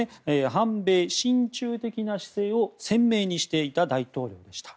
反米親中的な姿勢を鮮明にしていた大統領でした。